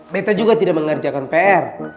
meta juga tidak mengerjakan pr